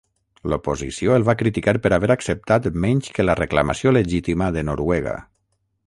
L'oposició el va criticar per haver acceptat menys que la reclamació legítima de Noruega.